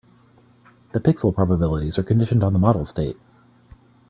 The pixel probabilities are conditioned on the model state.